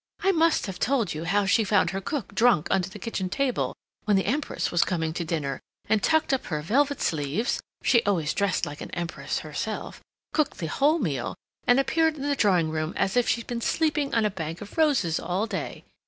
"I must have told you how she found her cook drunk under the kitchen table when the Empress was coming to dinner, and tucked up her velvet sleeves (she always dressed like an Empress herself), cooked the whole meal, and appeared in the drawing room as if she'd been sleeping on a bank of roses all day.